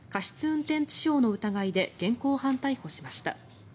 運転致傷の疑いで現行犯逮捕しました。